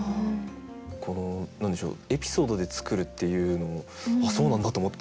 この何でしょうエピソードで作るっていうのもあっそうなんだ！と思って。